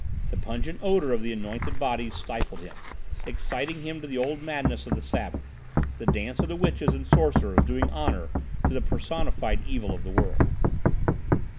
The pungent odour of the anointed bodies stifled him, exciting him to the old madness of the Sabbath, the dance of the witches and sorcerers doing honour to the personified Evil of the world.